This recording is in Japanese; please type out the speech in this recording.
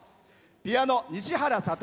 ピアノ、西原悟。